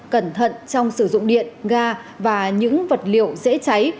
cẩn thận trong sử dụng điện ga và những vật liệu dễ cháy